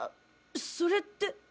それって。